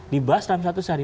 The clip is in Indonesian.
dibahas dalam satu sehari